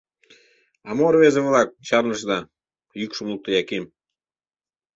— А мо, рвезе-влак, чарнышда? — йӱкшым лукто Яким.